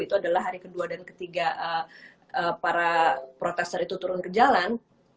itu adalah hari kedua dan ketiga para protester itu turun ke jalan